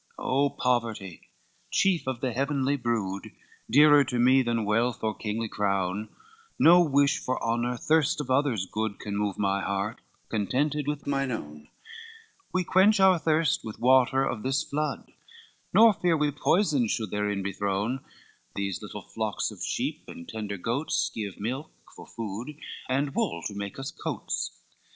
X "O poverty, chief of the heavenly brood, Dearer to me than wealth or kingly crown: No wish for honor, thirst of others' good, Can move my heart, contented with mine own: We quench our thirst with water of this flood, Nor fear we poison should therein be thrown; These little flocks of sheep and tender goats Give milk for food, and wool to make us coats.